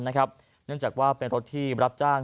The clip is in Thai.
เนื่องจากว่าเป็นรถที่รับจ้าง